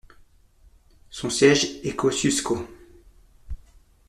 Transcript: Son siège est Kosciusko.